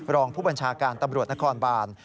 รองผู้บัญชาการตำรวจนครบาน